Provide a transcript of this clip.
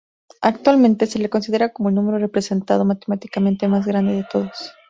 Actualmente, se le considera como el número representado matemáticamente más grande de todos.